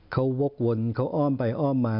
เขาวกวนเขาอ้อมไปอ้อมมา